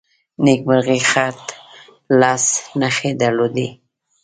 نیمګړی خط لس نښې درلودې.